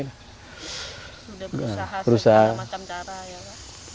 sudah berusaha segala macam cara ya pak